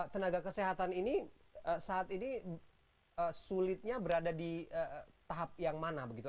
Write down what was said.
tenaga kesehatan ini saat ini sulitnya berada di tahap yang mana begitu